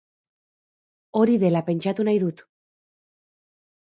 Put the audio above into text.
Hori dela pentsatu nahi dut.